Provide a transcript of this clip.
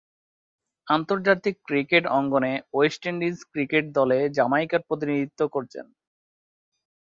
আন্তর্জাতিক ক্রিকেট অঙ্গনে West Indies cricket দলে জ্যামাইকার প্রতিনিধিত্ব করছেন।